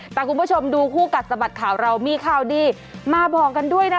แต่คุณผู้ชมดูคู่กัดสะบัดข่าวเรามีข่าวดีมาบอกกันด้วยนะคะ